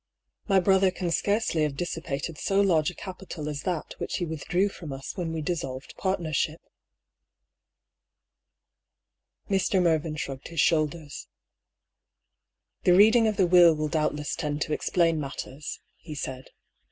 " My brother can scarcely have dissipated so large a capital as that which he withdrew from us when we dissolved partnership." Mr. Mervyn shrugged his shoulders. THE LOCKET. lOY " The reading of the Will will doubtless tend to explain matters," he said.